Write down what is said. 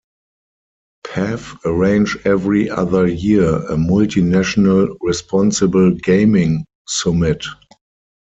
Paf arrange every other year a multi-national Responsible Gaming Summit.